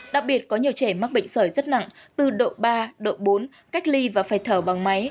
đặc biệt có nhiều trẻ mắc bệnh sởi rất nặng từ độ ba độ bốn cách ly và phải thở bằng máy